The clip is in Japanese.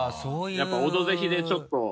やっぱ「オドぜひ」でちょっと。